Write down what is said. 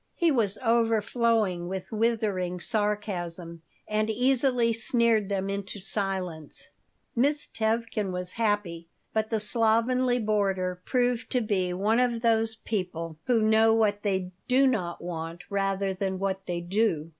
He was overflowing with withering sarcasm and easily sneered them into silence Miss Tevkin was happy. B.ut the slovenly boarder proved to be one of those people who know what they do not want rather than what they do.